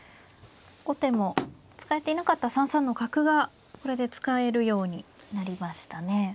後手も使えていなかった３三の角がこれで使えるようになりましたね。